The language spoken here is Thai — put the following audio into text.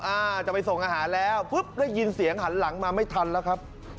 อ่าจะไปส่งอาหารแล้วปุ๊บได้ยินเสียงหันหลังมาไม่ทันแล้วครับ